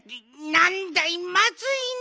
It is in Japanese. なんだいまずいね！